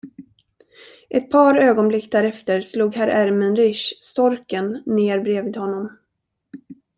Ett par ögonblick därefter slog herr Ermenrich, storken, ner bredvid honom.